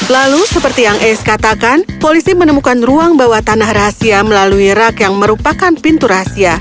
lalu seperti yang ais katakan polisi menemukan ruang bawah tanah rahasia melalui rak yang merupakan pintu rahasia